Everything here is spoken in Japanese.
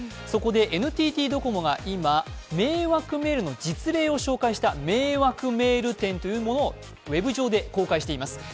そこでＮＴＴドコモが今、迷惑メールの実例を紹介した迷惑メール展というものをウェブ上で公開しています。